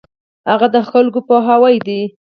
هغه د خلکو پوهاوی دی.